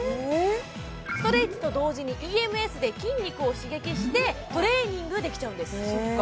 ええストレッチと同時にＥＭＳで筋肉を刺激してトレーニングできちゃうんです